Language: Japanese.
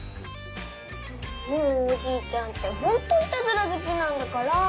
もうおじいちゃんってほんといたずらずきなんだから。